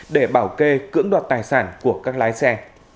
để bảo kê cưỡng đoạt tài sản của các lái xe